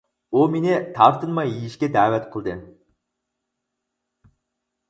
ئۇ مېنى تارتىنماي يېيىشكە دەۋەت قىلدى.